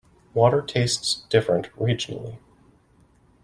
Water tastes different regionally.